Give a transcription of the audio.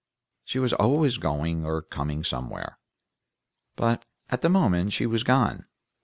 She was always going or coming somewhere, but at the moment she was gone.